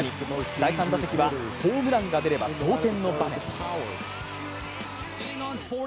第３打席はホームランが出れば同点の場面。